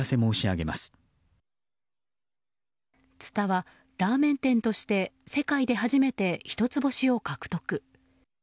蔦は、ラーメン店として世界で初めて一つ星を獲得。